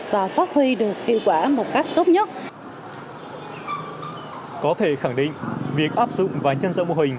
và phát huy được hiệu quả một cách tốt nhất có thể khẳng định việc áp dụng và nhân rộng mô hình